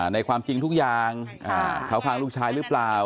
ในความจริงทุกอย่างเขาคลางลูกชายหรือเปล่า